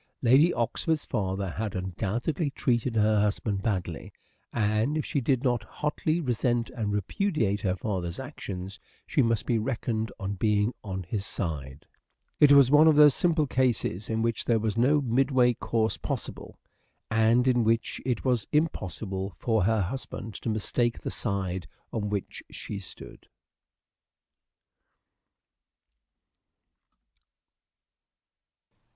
Lady Oxford's father had undoubtedly treated her husband badly, and if she did not hotly resent and repudiate her father's actions she must be reckoned as being 278 " SHAKESPEARE " IDENTIFIED on his side. It was one of those simple cases in which there was no midway course possible, and in which it was impossible for her husband to mistake the side on which she stood.